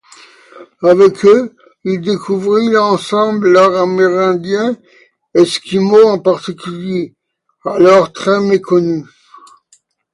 Avec eux, il découvrit ensemble l’art amérindien, eskimo en particulier, alors très méconnu.